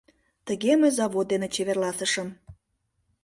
Тыге мый завод дене чеверласышым.